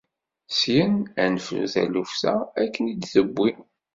Syin ad nefru taluft-a akken i d-tewwi.